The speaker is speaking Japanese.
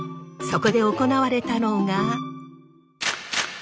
そこで行われたのが。